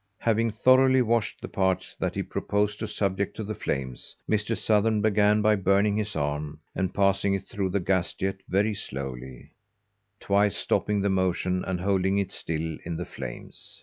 Having thoroughly washed the parts that he proposed to subject to the flames, Mr. Sothern began by burning his arm, and passing it through the gas jet very slowly, twice stopping the motion and holding it still in the flames.